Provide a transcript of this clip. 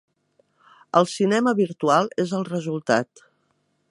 El cinema virtual és el resultat.